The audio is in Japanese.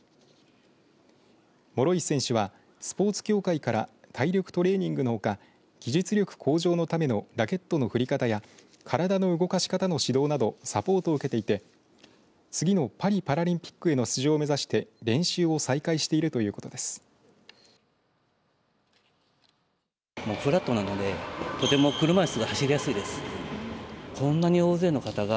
諸石選手はスポーツ協会から体力トレーニングのほか技術力向上のためのラケットの振り方や体の動かし方の指導などサポートを受けていて次のパリ・パラリンピックへの出場を目指して練習を再開しているということです。